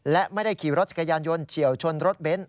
และไม่ได้ขีวรถกระยันยนต์เฉียวชนรถเบ